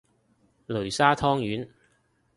擂沙湯圓